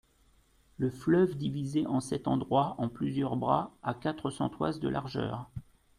Le fleuve divisé en cet endroit en plusieurs bras, a quatre cents toises de largeur.